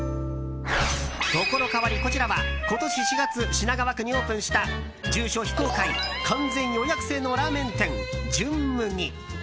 ところ変わり、こちらは今年４月、品川区にオープンした住所非公開、完全予約制のラーメン店、純麦。